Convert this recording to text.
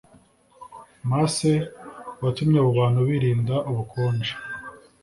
masse watumye abo bantu birinda ubukonje